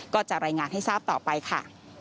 ก็จะรายงานให้ทราบต่อไปค่ะ